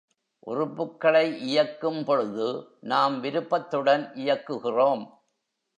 உறுப்புக்களை இயக்கும் பொழுது நாம் விருப்பத்துடன் இயக்குகிறோம்.